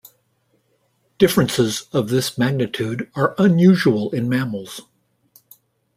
Differences of this magnitude are unusual in mammals.